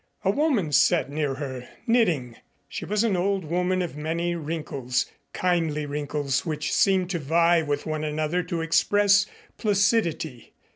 A woman sat near her, knitting. She was an old woman of many wrinkles, kindly wrinkles which seemed to vie with one another to express placidity.